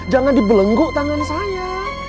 jangan dibelengguk tangan saya